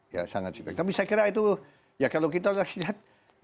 ya sangat tapi saya kira itu ya kalau kita lihat